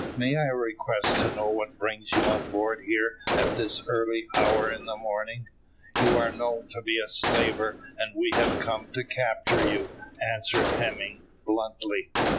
"May I request to know what brings you on board here at this early hour in the morning?" "You are known to be a slaver, and we have come to capture you," answered Hemming, bluntly.